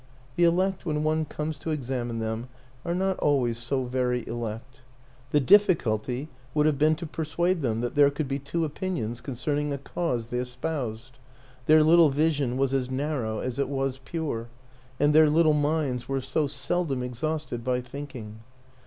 The elect, when one comes to examine them, are not always so very elect. The difficulty would have been to persuade them that there could be two opinions concerning a cause they espoused; their little vision was as narrow as it was pure, and their little minds were so seldom exhausted by thinking.